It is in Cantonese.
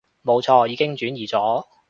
冇錯，已經轉移咗